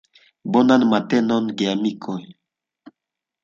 Bonan matenon, geamikoj!